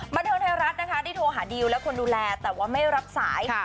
บันเทิงไทยรัฐนะคะได้โทรหาดิวและคนดูแลแต่ว่าไม่รับสาย